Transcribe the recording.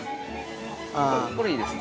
◆これいいですね。